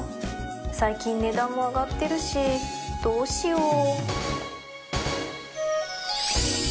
最近値段も上がってるしどうしよう